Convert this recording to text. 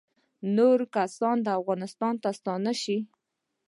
نور کسان افغانستان ته ستانه شي